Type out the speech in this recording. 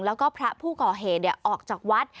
แล้วก็พระผู้ก่อเหตุออกจากวัด